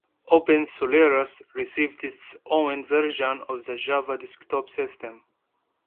OpenSolaris received its own version of the Java Desktop System.